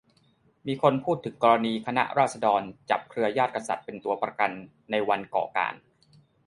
มีคนพูดถึงกรณีคณะราษฎรจับเครือญาติกษัตริย์เป็นตัวประกันในวันก่อการ